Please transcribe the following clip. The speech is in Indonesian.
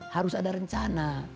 harus ada rencana